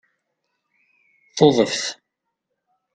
Tuḍeft